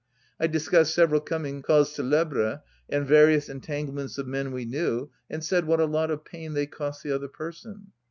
I discussed several coming causes cSlebres, and various entanglements of men we knew, and said what a lot of pain they cost the other person.